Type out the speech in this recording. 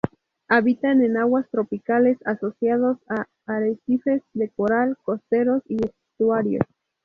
Habitan en aguas tropicales, asociados a arrecifes de coral costeros y estuarios.